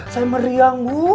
saya meriang bu